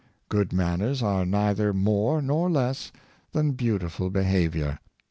Good manners are neither more nor less than beautiful behavior.